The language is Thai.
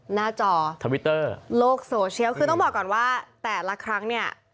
หน้าจอทวิตเตอร์โลกโซเชียลคือต้องบอกก่อนว่าแต่ละครั้งเนี่ย